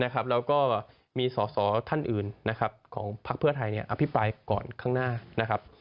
แล้วก็มีส่อท่านอื่นของพรรคเพื่อไทยนี้อภิปรายก่อนข้างหน้า